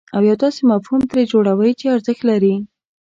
او یو داسې مفهوم ترې جوړوئ چې ارزښت لري.